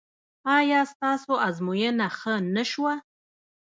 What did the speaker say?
ایا ستاسو ازموینه ښه نه شوه؟